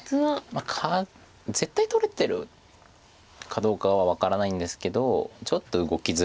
まあ絶対取れてるかどうかは分からないんですけどちょっと動きづらいです。